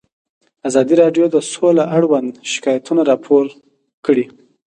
ازادي راډیو د سوله اړوند شکایتونه راپور کړي.